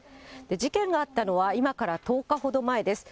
事件があったのは、今から１０日ほど前です。